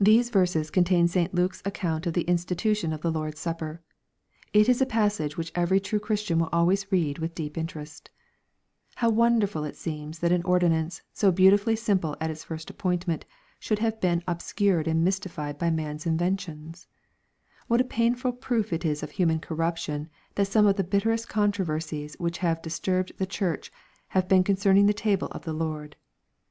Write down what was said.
These verses contain St. Luke's account of the institu tion of the Lord's supper. It is a passage which every true Christian will always read with deep interest. How wonderful it seems that an ordinance, so beautifully simple at its first appointment, should have been ob scured and mystified by man's inventions ! What a painful proof it is of human corruption, that some of the bitterest controversies which have disturbed the Church, have been concerning the table of the Lord.